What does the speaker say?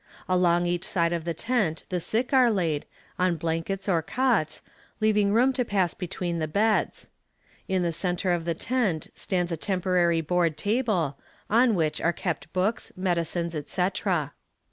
Along each side of the tent the sick are laid, on blankets or cots, leaving room to pass between the beds. In the center of the tent stands a temporary board table, on which are kept books, medicines, et cetera.